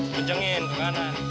ngencengin ke kanan